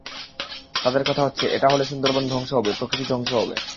তাদের কথা হচ্ছে, এটা হলে সুন্দরবন ধ্বংস হবে, প্রকৃতি ধ্বংস হবে।